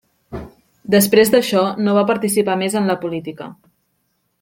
Després d'això, no va participar més en la política.